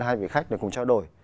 hai vị khách để cùng trao đổi